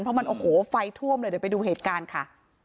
เพราะมันโอ้โหไฟท่วมเลยเดี๋ยวไปดูเหตุการณ์ค่ะ